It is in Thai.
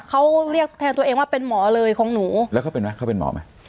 เขาเรียกแทนตัวเองว่าเป็นหมอเลยของหนูแล้วเขาเป็นไหมเขาเป็นหมอไหม